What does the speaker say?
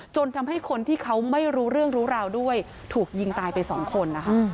จนทำให้คนที่เขาไม่รู้เรื่องรู้ราวด้วยถูกยิงตายไปสองคนนะคะ